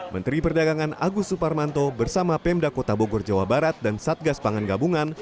menteri perdagangan agus suparmanto bersama pemda kota bogor jawa barat dan satgas pangan gabungan